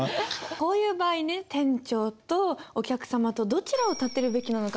こういう場合ね店長とお客さまとどちらを立てるべきなのかっての。